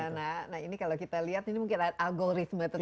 iya nah ini kalau kita lihat ini mungkin ada algoritma tentu ya